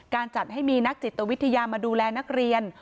จัดให้มีนักจิตวิทยามาดูแลนักเรียน